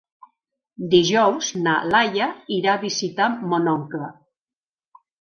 Dijous na Laia irà a visitar mon oncle.